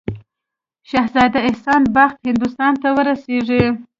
شهزاده احسان بخت هندوستان ته ورسیږي.